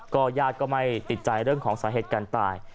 ญาติก็ไม่ติดใจเรื่องของสาเหตุการณ์ตาย